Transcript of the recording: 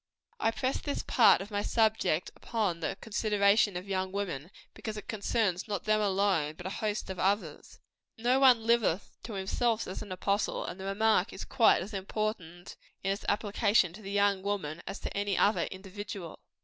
I press this part of my subject upon the consideration of young women, because it concerns not them alone, but a host of others. No one liveth to himself, says an apostle; and the remark is quite as important in its application to the young woman, as to any other individual.